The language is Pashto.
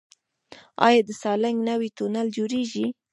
آیا د سالنګ نوی تونل جوړیږي؟